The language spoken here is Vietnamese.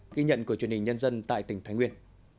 ghi nhận của truyền hình nhân dân tại tỉnh thái nguyên